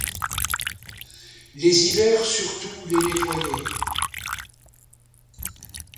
Les hivers surtout les nettoyaient.